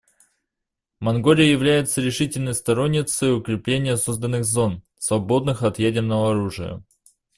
Монголия является решительной сторонницей укрепления созданных зон, свободных от ядерного оружия.